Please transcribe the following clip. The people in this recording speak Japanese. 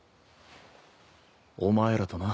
お前らとな。